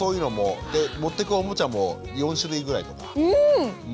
で持ってくおもちゃも４種類ぐらいとか持ってって。